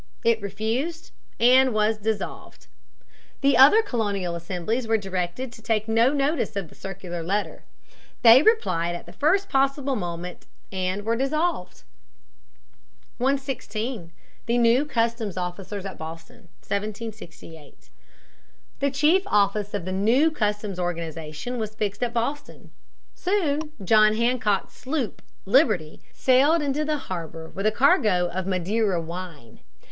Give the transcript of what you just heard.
It refused and was dissolved. The other colonial assemblies were directed to take no notice of the circular letter. They replied at the first possible moment and were dissolved. [Sidenote: Seizure of the sloop Liberty, 1768.] 116. The New Customs Officers at Boston, 1768. The chief office of the new customs organization was fixed at Boston. Soon John Hancock's sloop, Liberty, sailed into the harbor with a cargo of Madeira wine.